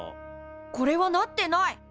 これはなってない。